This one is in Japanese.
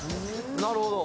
なるほど！